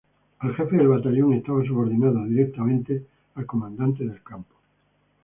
El jefe del batallón estaba subordinado directamente al comandante del campo.